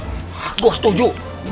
hah gue setuju